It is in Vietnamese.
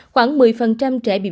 khoảng một mươi trẻ bị viêm gan bí ẩn